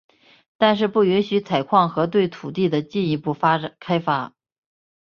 但是不允许采矿和对土地的进一步开发。